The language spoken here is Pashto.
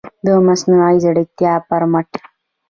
د مصنوعي ځیرکتیا پر مټ